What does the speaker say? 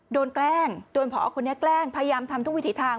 แกล้งโดนผอคนนี้แกล้งพยายามทำทุกวิถีทาง